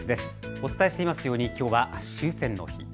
お伝えしていますようにきょうは終戦の日。